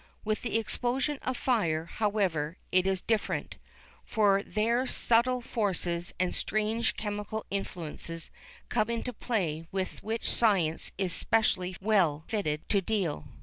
With the explosion or fire, however, it is different, for there subtle forces and strange chemical influences come into play with which science is specially well fitted to deal.